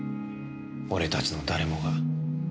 俺たちの誰もが。